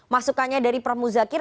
masukannya dari pramu zakir